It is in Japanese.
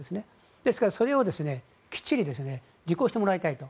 ですから、それをきっちり実行してもらいたいと。